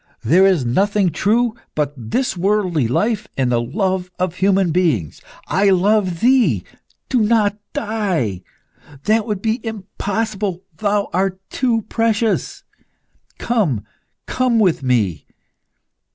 There is nothing true but this worldly life, and the love of human beings. I love thee! Do not die! That would be impossible thou art too precious! Come, come with me!